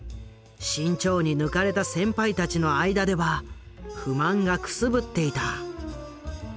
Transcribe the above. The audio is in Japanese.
志ん朝に抜かれた先輩たちの間では不満がくすぶっていた。